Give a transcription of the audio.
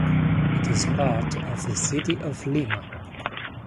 It is part of the city of Lima.